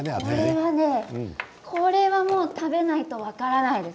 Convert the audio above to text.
これは食べないと分からないです。